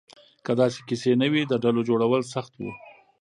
که داسې کیسې نه وې، د ډلو جوړول سخت وو.